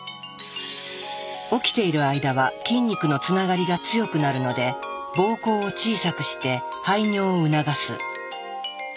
起きている間は筋肉のつながりが強くなるので膀胱を小さくして排尿を促す。